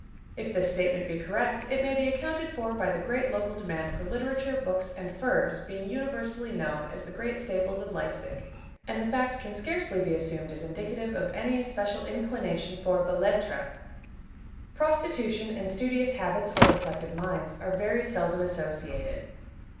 If this statement be correct, it may be accounted for by the great local demand for literature, books and furs being universally known as the great staples of Leipzig, and the fact can scarcely be assumed as indicative of any especial inclination for belles lettres. Prostitution and studious habits or reflective minds are very seldom associated.